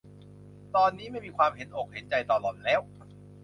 ตอนนี้ไม่มีความเห็นอกเห็นใจต่อหล่อนแล้ว